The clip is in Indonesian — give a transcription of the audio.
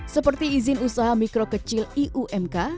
seperti izin usaha mikro kecil iumk